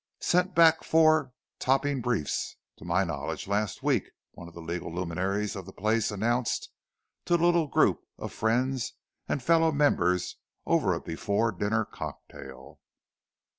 "Sent back four topping briefs, to my knowledge, last week," one of the legal luminaries of the place announced to a little group of friends and fellow members over a before dinner cocktail.